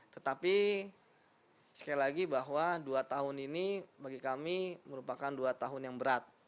tetapi sekali lagi bahwa dua tahun ini bagi kami merupakan dua tahun yang berat